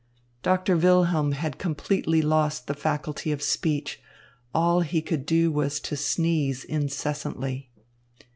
Doctor Wilhelm had completely lost the faculty of speech. All he could do was to sneeze incessantly.